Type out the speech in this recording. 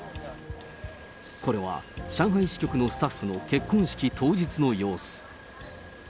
これは上海支局のスタッフの結婚式当日の様子。